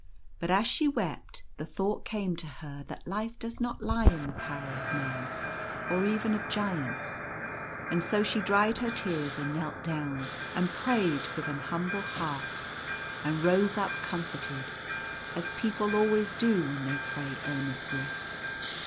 But as she wept the thought came to her that life does not lie in the power of men, or even of giants; and so she dried her tears, and knelt down and prayed with an humble heart, and rose up comforted, as people always do when they pray earnestly.